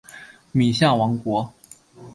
敏象王国。